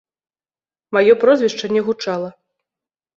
Маё прозвішча не гучала.